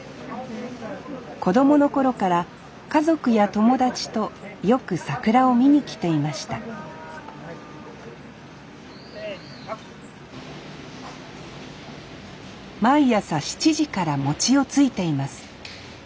子供の頃から家族や友達とよく桜を見に来ていました毎朝７時から餅をついています。